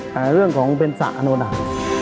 แต่เรื่องของเป็นสระอโนดาต